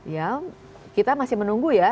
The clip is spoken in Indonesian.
ya kita masih menunggu ya